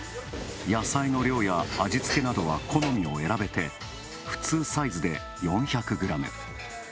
野菜の量や味付けなどは好みを選べて普通サイズで４００ｇ。